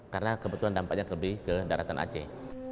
karena kebetulan dampaknya lebih ke daratan aceh